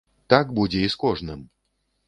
Так будзе і з кожным!